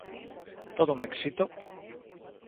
Todo un éxito.